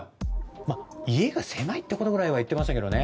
まぁ家が狭いってことくらいは言ってましたけどね。